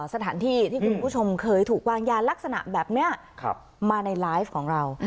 สถานที่ที่คุณผู้ชมเคยถูกวางยาลักษณะแบบนี้มาในไลฟ์ของเรา